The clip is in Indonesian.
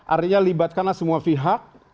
artinya libatkanlah semua pihak